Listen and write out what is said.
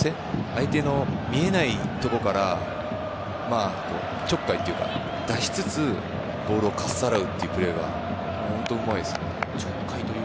相手の見えないところからちょっかいというか、出しつつボールをかっさらうというプレーが本当、うまいですね。